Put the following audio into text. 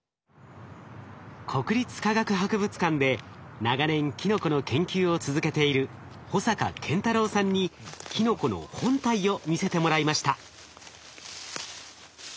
国立科学博物館で長年キノコの研究を続けている保坂健太郎さんにキノコの本体を見せてもらいました。